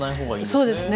そうですね。